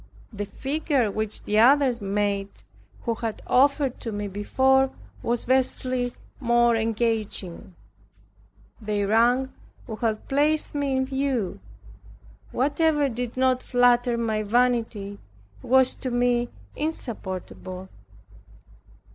The figure which the others made, who had offered to me before, was vastly more engaging. Their rank would have placed me in view. Whatever did not flatter my vanity, was to me insupportable.